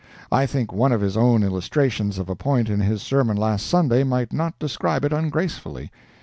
I think one of his own illustrations of a point in his sermon last Sunday might not describe it ungracefully.